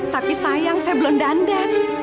tapi sayang saya belum dandan